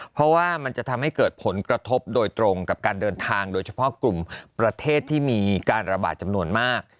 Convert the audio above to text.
เพราะว่ามันจะทำให้เกิดผลกระทบโดยตรงกับการเดินทางโดยเฉพาะกลุ่มประเทศที่มีการระบาดจำนวนมาก